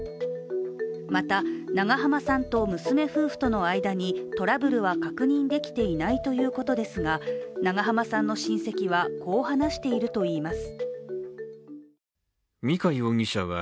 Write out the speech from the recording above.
また長濱さんと娘夫婦との間にトラブルは確認できていないということですが、長濱さんの親戚はこう話しているといいます。